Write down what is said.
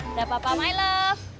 udah papa my love